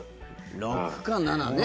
６か７ね。